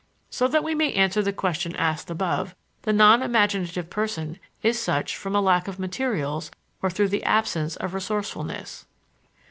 So that we may answer the question asked above: The non imaginative person is such from lack of materials or through the absence of resourcefulness.